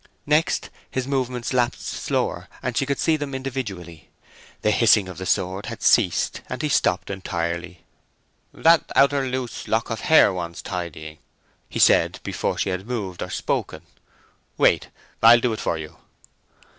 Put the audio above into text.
Next, his movements lapsed slower, and she could see them individually. The hissing of the sword had ceased, and he stopped entirely. "That outer loose lock of hair wants tidying," he said, before she had moved or spoken. "Wait: I'll do it for you."